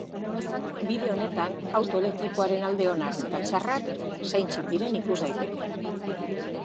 Bideo honetan auto elektrikoaren alde onak eta txarrak zeintzuk diren ikus daiteke.